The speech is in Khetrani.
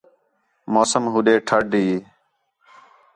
موسم ہوݙے ٹھݙ ہی